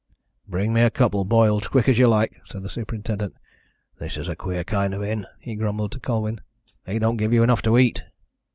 "Bring me a couple, boiled, as quick as you like," said the superintendent. "This is a queer kind of inn," he grumbled to Colwyn. "They don't give you enough to eat."